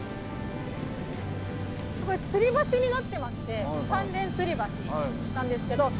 これつり橋になってまして三連つり橋なんですけど世界初の。